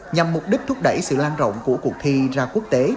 nhằm mục đích thúc đẩy sự lan rộng của cuộc thi ra quốc tế